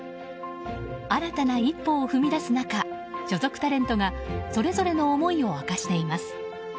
新たな一歩を踏み出す中所属タレントがそれぞれの思いを明かしています。